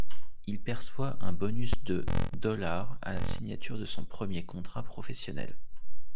Il perçoit un bonus de dollars à la signature de son premier contrat professionnel.